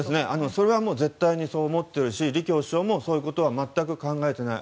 それは絶対にそう思っているし李強首相もそういうことは全く考えていない。